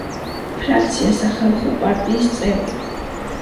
ფრაქცია „სახალხო პარტიის“ წევრი.